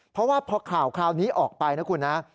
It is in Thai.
เพราะว่าพอข่าวคราวนี้ออกไปนะคุณนะ